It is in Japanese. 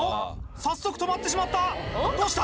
早速止まってしまったどうした？